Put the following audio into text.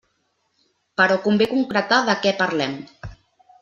Però convé concretar de què parlem.